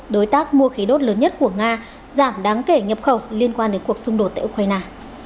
đối tác mua khí đốt lớn nhất của nga giảm đáng kể nhập khẩu liên quan đến cuộc xung đột tại ukraine